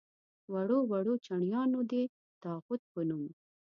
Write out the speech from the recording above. وړو وړو چڼیانو دې د طاغوت په نوم.